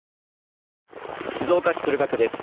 静岡市駿河区です。